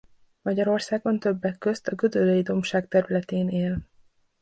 Magyarországon többek közt a Gödöllői-dombság területén él.